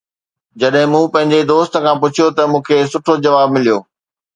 جڏهن مون پنهنجي دوست کان پڇيو ته مون کي سٺو جواب مليو